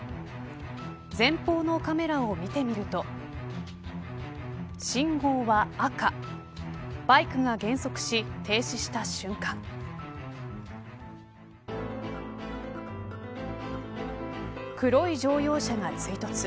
前方のカメラを見てみると信号は赤バイクが減速し停止した瞬間黒い乗用車が追突。